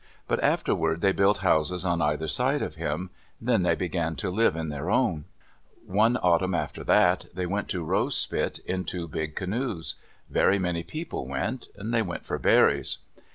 But afterward they built houses on either side of him. Then they began to live in their own. One autumn after that they went to Rose Spit in two big canoes. Very many people went. They went for berries.